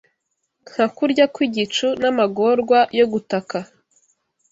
Nka kurya kw'igicu, N'amagorwa yo gutaka